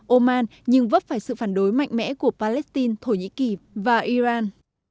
oman nhưng vấp phải sự phản đối mạnh mẽ của palestine thổ nhĩ kỳ và iran